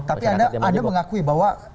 tapi anda mengakui bahwa